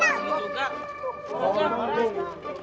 stellanya gak keluar keluar stellanya sombong